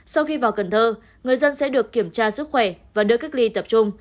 sau khi vào cần thơ người dân sẽ được kiểm tra sức khỏe và đưa cách ly tập trung